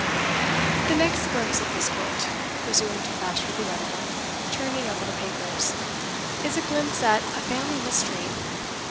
"The next glimpse of Miss Gwilt," resumed Bashwood the younger, turning over the papers, "is a glimpse at a family mystery.